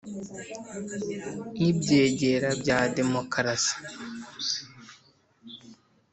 N ibyegera bya demokarasi